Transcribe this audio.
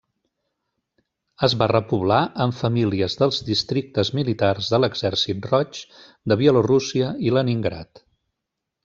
Es va repoblar amb famílies dels districtes militars de l'Exèrcit Roig de Bielorússia i Leningrad.